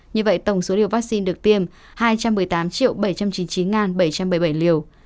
như vậy tổng số liều vaccine được tiêm hai trăm một mươi tám bảy trăm chín mươi chín bảy trăm bảy mươi bảy liều